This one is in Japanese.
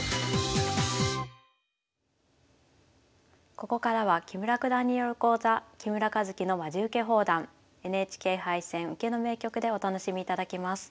ここからは木村九段による講座「木村一基のまじウケ放談ＮＨＫ杯戦・受けの名局」でお楽しみいただきます。